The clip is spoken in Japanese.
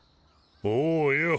おうよ。